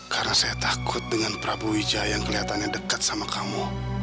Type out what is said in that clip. karena saya takut dengan prabu wijaya yang kelihatannya dekat sama kamu